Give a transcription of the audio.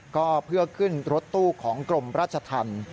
ก็เพื่อขึ้นรถตู้ของกรมราชธรรม